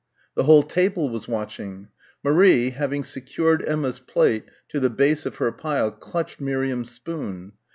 The whole table was watching. Marie, having secured Emma's plate to the base of her pile clutched Miriam's spoon.